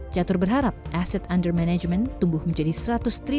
catur berharap asset under management tumbuh menjadi sempurna